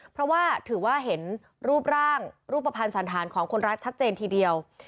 เพราะว่าถือว่าเห็นรูปร่างรูปภัณฑ์สันธารของคนร้ายชัดเจนทีเดียว